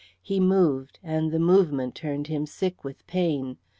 He moved, and the movement turned him sick with pain.